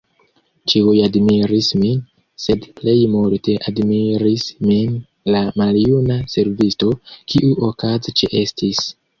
Ĉiuj admiris min, sed plej multe admiris min la maljuna servisto, kiu okaze ĉeestis.